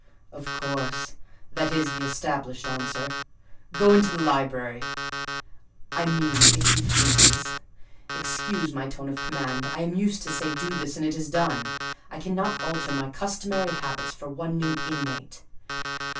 "Of course: that is the established answer. Go into the library—I mean, if you please.—(Excuse my tone of command; I am used to say, 'Do this,' and it is done: I cannot alter my customary habits for one new inmate.)